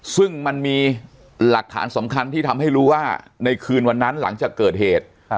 ซึ่งมันมีหลักฐานสำคัญที่ทำให้รู้ว่าในคืนวันนั้นหลังจากเกิดเหตุ